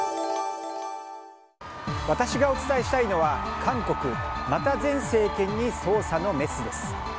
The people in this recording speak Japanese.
私がお伝えしたいのは韓国また前政権に捜査のメスです。